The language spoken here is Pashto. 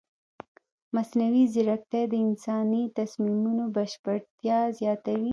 مصنوعي ځیرکتیا د انساني تصمیمونو بشپړتیا زیاتوي.